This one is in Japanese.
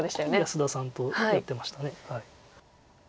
安田さんとやってましたね。